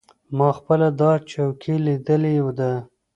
ما پخپله دا چوکۍ لیدلې ده.